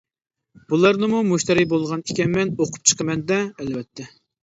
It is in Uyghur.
بۇلارنىمۇ مۇشتەرى بولغان ئىكەنمەن ئوقۇپ چىقىمەن-دە، ئەلۋەتتە.